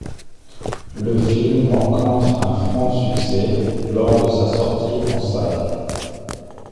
Le film rencontre un franc succès lors de sa sortie en salles.